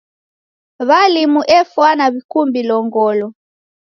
W'alimu efwana w'ikumbilo ngolo.